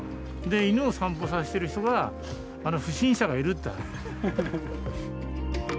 で犬を散歩させている人が不審者がいるって。